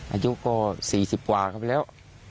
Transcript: อายุก็๔๐กว่าครับแล้ว